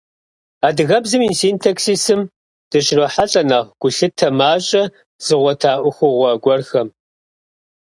Адыгэбзэм и синтаксисым дыщрохьэлӏэ нэхъ гулъытэ мащӏэ зыгъуэта ӏуэхугъуэ гуэрхэм.